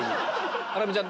ハラミちゃん